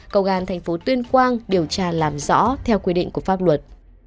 cầu gán thành phố tuyên quang điều tra làm rõ theo quy định của pháp luật